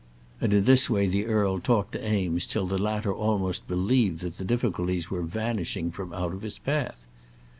And in this way the earl talked to Eames till the latter almost believed that the difficulties were vanishing from out of his path.